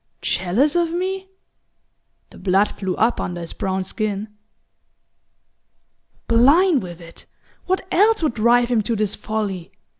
"Jealous of me?" The blood flew up under his brown skin. "Blind with it what else would drive him to this folly?